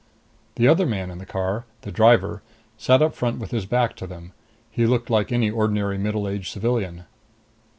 The other man in the car, the driver, sat up front with his back to them. He looked like any ordinary middle aged civilian.